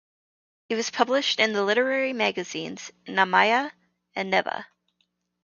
He was published in the literary magazines Znamya and Neva.